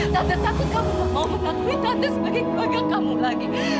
tante takut kamu mau mengakui tante sebagai keluarga kamu lagi